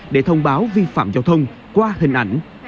để thông báo vi phạm giao thông qua hình ảnh